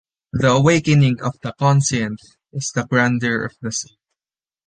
The awakening of the conscience is the grandeur of the soul.